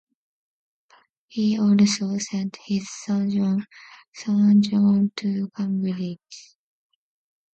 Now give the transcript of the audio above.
He also sent his son John to Cambridge.